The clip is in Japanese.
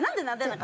なんで？